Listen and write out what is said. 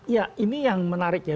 ya ini yang menarik ya